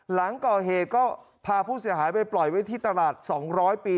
หลังก่อเหตุก็พาผู้เสียหายไปปล่อยไว้ที่ตลาด๒๐๐ปี